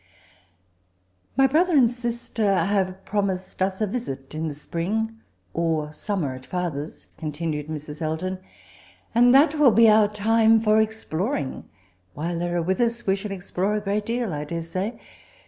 "' My brother and sister have promised us a visit in the spring, or summer at fartheat,' oontinaed Mrs. Elton; 'and that will be oar time for exploring. While they are with us, we shall explore a great deal, I daresay.